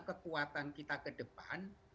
kekuatan kita ke depan